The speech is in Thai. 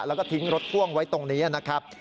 แล้วก็ทิ้งรถพ่วงไว้ตรงนี้นะครับ